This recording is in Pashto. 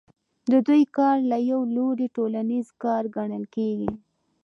د دوی کار له یوه لوري ټولنیز کار ګڼل کېږي